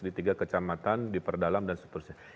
di tiga kecamatan di perdalam dan seterusnya